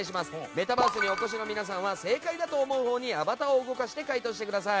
メタバースにお越しの皆さんは正解だと思うほうにアバターを動かして回答してください。